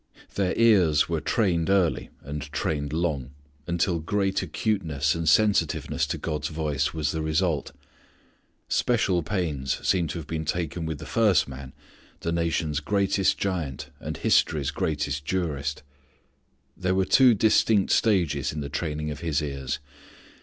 Their ears were trained early and trained long, until great acuteness and sensitiveness to God's voice was the result. Special pains seem to have been taken with the first man, the nation's greatest giant, and history's greatest jurist. There were two distinct stages in the training of his ears.